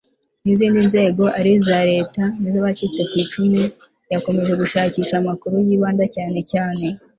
n izindi nzego ari iza Leta n iz abacitse ku icumu yakomeje gushakisha amakuru yibanda cyane cyane